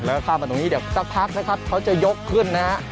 แล้วข้ามมาตรงนี้เดี๋ยวสักพักนะครับเขาจะยกขึ้นนะฮะ